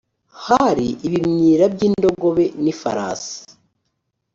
hari ibimyira by’ indogobe n’ ifarasi.